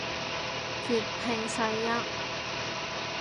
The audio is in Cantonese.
粵拼世一